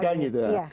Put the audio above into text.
kayak gitu ya